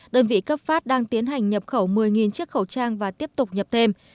đơn vị cấp phát đang tiến hành nhập khẩu một mươi chiếc khẩu trang và tiếp tục nhập thêm